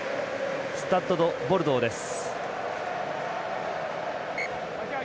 スタッド・ド・ボルドーです。